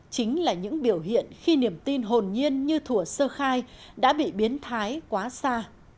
chính là những biểu hiện khi niềm tin hồn nhiên như thủa sơ khai đã bị biến thái quá xa